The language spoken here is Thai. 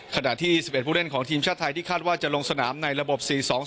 ขณะที่๑๑ผู้เล่นของทีมชาติไทยที่คาดว่าจะลงสนามในระบบ๔๒๒